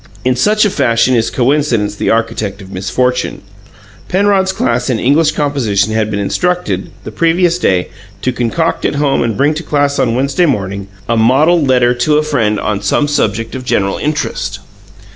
In such a fashion is coincidence the architect of misfortune. Penrod's class in English composition had been instructed, the previous day, to concoct at home and bring to class on Wednesday morning, "a model letter to a friend on some subject of general interest."